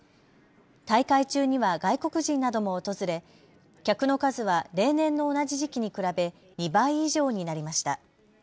大会中には外国人なども訪れ客の数は例年の同じ時期に比べ２倍以上になりました。